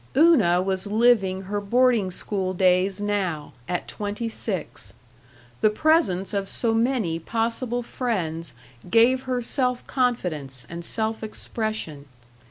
Una was living her boarding school days now, at twenty six. The presence of so many possible friends gave her self confidence and self expression.